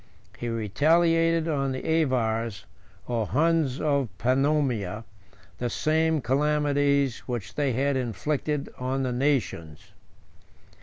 V. He retaliated on the Avars, or Huns of Pannonia, the same calamities which they had inflicted on the nations.